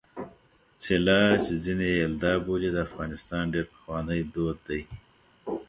څِله چې ځيني يې یلدا بولي د افغانستان ډېر پخوانی دود دی.